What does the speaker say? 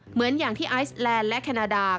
เหมือนอย่างที่ไอซแลนด์และแคนาดา